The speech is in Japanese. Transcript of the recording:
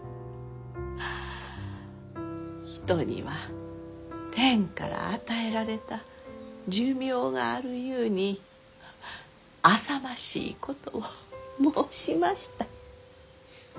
人には天から与えられた寿命があるゆうにあさましいことを申しました。